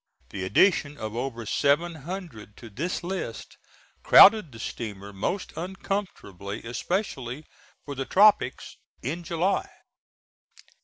The addition of over seven hundred to this list crowded the steamer most uncomfortably, especially for the tropics in July.